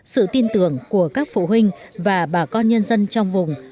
sự tin tưởng của các phụ huynh và bà con nhân dân trong vùng